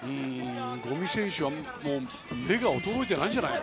五味選手は目が衰えてないんじゃない？